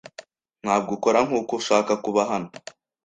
Ntabwo ukora nkuko ushaka kuba hano.